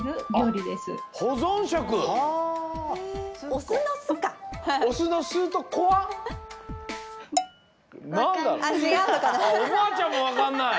おばあちゃんもわかんない？